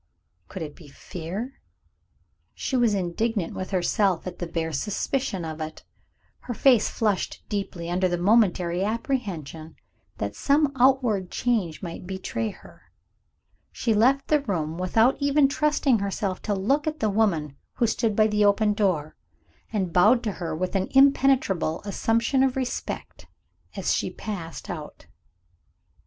Could it be fear? She was indignant with herself at the bare suspicion of it. Her face flushed deeply, under the momentary apprehension that some outward change might betray her. She left the room, without even trusting herself to look at the woman who stood by the open door, and bowed to her with an impenetrable assumption of respect as she passed out.